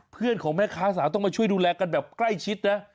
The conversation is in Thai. ของแม่ค้าสาวต้องมาช่วยดูแลกันแบบใกล้ชิดนะ